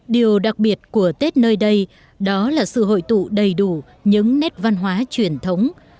điều đặc biệt của tết nơi đây đó là sự hội tụ đầy đủ những nét văn hóa truyền thống